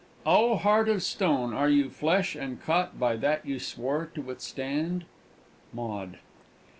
"O heart of stone, are you flesh, and caught By that you swore to withstand?" _Maud.